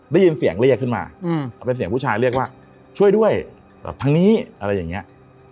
ได้ยินเสียงเรียกขึ้นมาเป็นเสียงผู้ชายเรียกว่าช่วยด้วยทางนี้อะไรอย่างนี้